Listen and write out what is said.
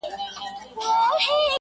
چي رنگ دې په کيسه ژړ سي، تورو تې مه ځه!